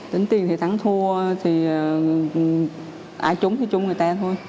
tính tiền thì thắng thua thì ai trúng thì chung người ta thôi